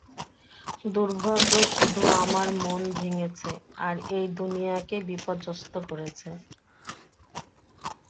দুর্ভাগ্য শুধুই আমার মন ভেঙ্গেছে আর এই দুনিয়াকে বিপর্যস্ত করেছে।